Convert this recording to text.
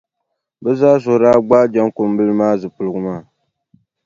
Bɛ zaa suhu daa gbaai Jaŋkumbila maa zupiligu maa.